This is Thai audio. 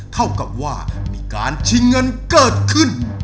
เท่ากับว่ามีการชิงเงินเกิดขึ้น